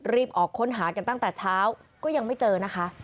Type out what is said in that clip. ออกค้นหากันตั้งแต่เช้าก็ยังไม่เจอนะคะ